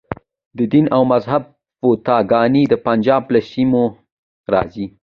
د دین او مذهب فتواګانې د پنجاب له سیمو راځي.